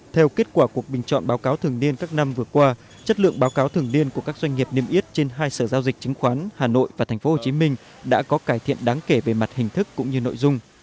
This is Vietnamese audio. theo kết quả cuộc bình chọn báo cáo thường niên các năm vừa qua chất lượng báo cáo thường niên của các doanh nghiệp niêm yết trên hai sở giao dịch chứng khoán hà nội và tp hcm đã có cải thiện đáng kể về mặt hình thức cũng như nội dung